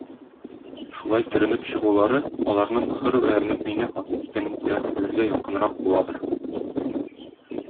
Шулай төренеп чыгулары аларның хөр вә мөэминә хатын икәнлекләрен белергә якынрак буладыр.